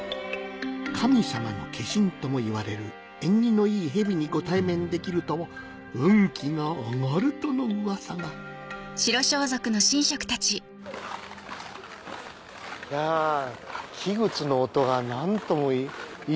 神様の化身ともいわれる縁起のいい蛇にご対面できると運気が上がるとのうわさがいや木ぐつの音が何ともいいですね。